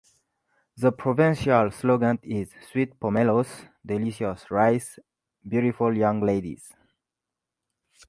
The provincial slogan is "Sweet pomelos, delicious rice, beautiful young ladies".